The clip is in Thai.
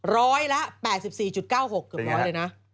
ร้อยละ๘๔๙๖เกือบร้อยเลยนะ